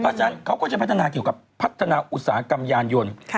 เพราะฉะนั้นเขาก็จะพัฒนาเกี่ยวกับพัฒนาอุตสาหกรรมยานยนต์